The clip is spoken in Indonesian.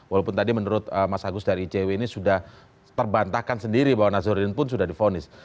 walaupun tadi menurut mas agus dari icw ini sudah terbantahkan sendiri bahwa nazarudin pun sudah difonis